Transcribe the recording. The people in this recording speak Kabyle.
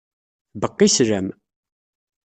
Beqqi sslam.